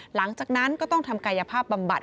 หลังจากนั้นก็ต้องทำกายภาพบำบัด